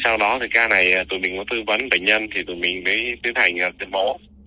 sau đó thì cái này tụi mình có tư vấn bệnh nhân thì tụi mình mới tiến hành tự bỏ